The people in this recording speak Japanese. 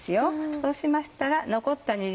そうしましたら残った煮汁